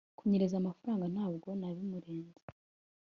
kunyereza amafaranga ntabwo nabimurenze